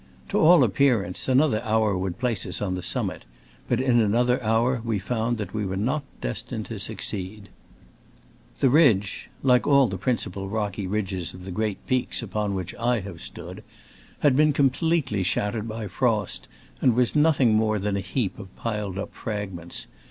To all appear ance, another hour would place us on the summit, but in another hour we found that we were not destined to suc ceed^. The ridge (like all of the prin cipal rocky ridges of the great peaks upon which I have stood) had been completely shattered by frost, and was nothing more than a heap of piled up fragments.